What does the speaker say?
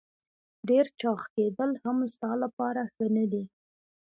ډېر چاغ کېدل هم ستا لپاره ښه نه دي.